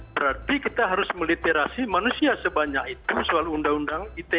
berarti kita harus meliterasi manusia sebanyak itu soal undang undang ite